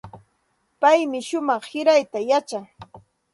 Paymi shumaq sirayta yachan.